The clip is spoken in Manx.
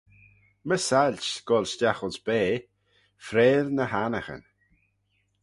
My sailt's goll stiagh ayns bea, freill ny annaghyn.